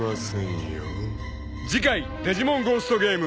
［次回『デジモンゴーストゲーム』］